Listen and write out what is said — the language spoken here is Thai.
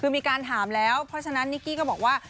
คือมีการถามแล้วเพราะฉะนั้นนิกกี้ก็บอกว่า